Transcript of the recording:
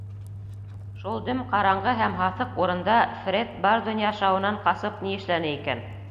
Шул дөм ҡараңғы һәм һаҫыҡ урында Фред бар донъя шауынан ҡасып ни эшләне икән?